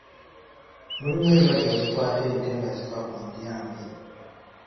Mulimu endwadde ezikwata ente nga ziva ku ndya mbi.